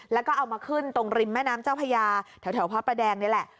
แล้วก็เอามาขึ้นตรงริมแม่น้ำเจ้าพญาแถวพระประแดงนี่แหละ